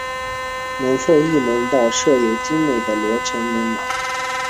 南侧翼门道设有精美的罗曼式门廊。